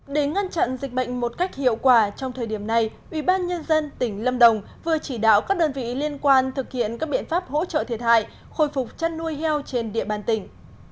để ngăn chặn dịch bệnh một cách hiệu quả trong thời điểm này ubnd tỉnh lâm đồng vừa chỉ đạo các đơn vị liên quan thực hiện các biện pháp hỗ trợ thiệt hại khôi phục chăn nuôi heo trên địa bàn tỉnh